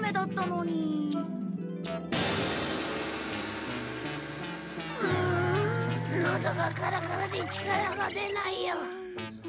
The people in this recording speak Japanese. のどがカラカラで力が出ないよ。